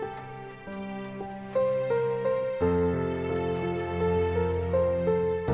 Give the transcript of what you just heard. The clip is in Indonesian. tidak ada yang bisa dikawal